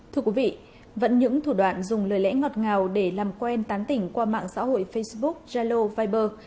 thưa quý vị vẫn những thủ đoạn dùng lời lẽ ngọt ngào để làm quen tán tỉnh qua mạng xã hội facebook zalo viber